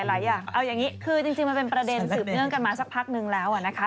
เอาอย่างนี้คือจริงมันเป็นประเด็นสืบเนื่องกันมาสักพักนึงแล้ว